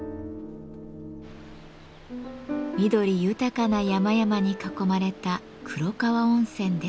緑豊かな山々に囲まれた黒川温泉です。